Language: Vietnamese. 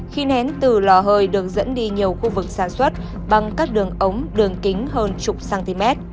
khi nén từ lò hơi được dẫn đi nhiều khu vực sản xuất bằng các đường ống đường kính hơn chục cm